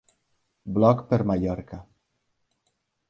Bloc per Mallorca: